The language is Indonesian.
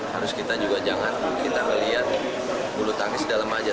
harus kita juga jangan kita melihat bulu tangkis dalam aja